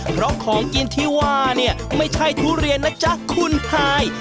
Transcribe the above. เพราะของกินที่ว่าเนี่ยไม่ใช่ทุเรียนนะจ๊ะคุณฮาย